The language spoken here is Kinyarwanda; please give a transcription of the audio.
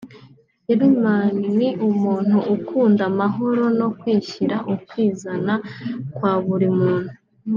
Fireman ni umuntu ukunda amahoro no kwishyira ukizana kwa buri muntu